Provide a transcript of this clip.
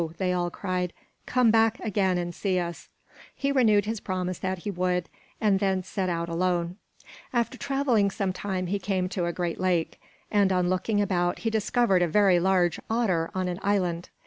they all cried. "Come back again and see us!" He renewed his promise that he would; and then set out alone. After traveling some time he came to a great lake, and on looking about he discovered a very large otter on an island.